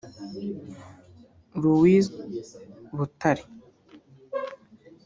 Louis Butare